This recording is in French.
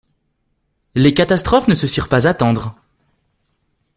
Les catastrophes ne se firent pas attendre.